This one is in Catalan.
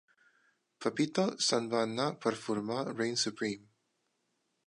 Pepito se'n va anar per formar Reign Supreme.